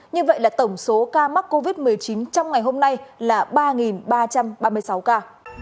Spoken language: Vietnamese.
như vậy là tổng số ca mắc covid một mươi chín trong ngày hôm nay là ba ba trăm ba mươi sáu ca